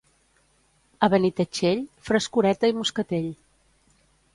A Benitatxell, frescoreta i Moscatell.